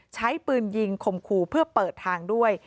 ใช้ปืนยิงข่มขู่เพื่อเปิดทางด้วย